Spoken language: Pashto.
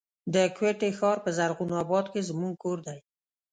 د کوټي ښار په زرغون آباد کي زموږ کور دی.